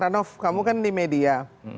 ranof kamu kan di media